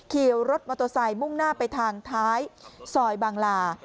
คิวรถมอโทแซ่มุ่งหน้าไปทางท้ายซอยบางหล่า